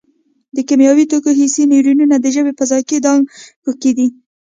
د کیمیاوي توکو حسي نیورون د ژبې په ذایقې دانکو کې دي.